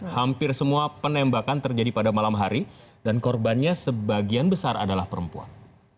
hampir semua penembakan terjadi pada malam hari dan korbannya sebagian besar adalah perempuan